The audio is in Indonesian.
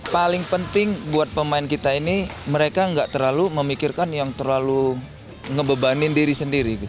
paling penting buat pemain kita ini mereka nggak terlalu memikirkan yang terlalu ngebebanin diri sendiri